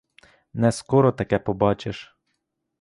Не скоро таке побачиш.